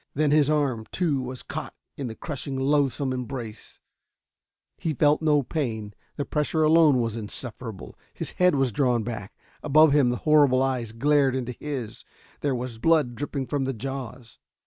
Then his arm, too, was caught in the crushing loathsome embrace.... He felt no pain the pressure alone was insufferable. His head was drawn back. Above him the horrible eyes glared into his there was blood dripping from the jaws....